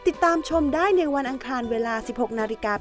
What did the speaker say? ติดตามชมได้ในวันอังคารเวลา๑๖นาฬิกา